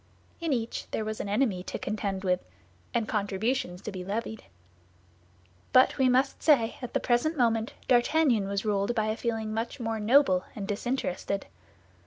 In each there was an enemy to contend with, and contributions to be levied. But, we must say, at the present moment D'Artagnan was ruled by a feeling much more noble and disinterested.